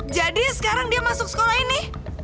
jadi sekarang dia masuk sekolah ini